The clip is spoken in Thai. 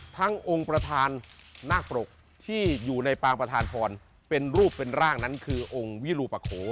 องค์ประธานนาคปรกที่อยู่ในปางประธานพรเป็นรูปเป็นร่างนั้นคือองค์วิรูปะโข